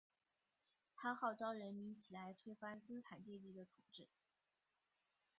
他号召人民起来推翻资产阶级的统治。